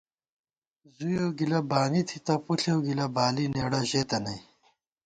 زُویېؤ گِلہ بانی تھِتہ ، پݪېؤ گِلہ بالی نېڑہ ژېتہ نئ